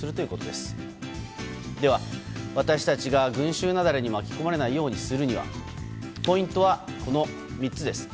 では、私たちが群衆雪崩に巻き込まれないようにするにはポイントは３つです。